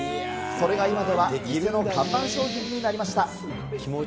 それが今では、店の看板商品になりました。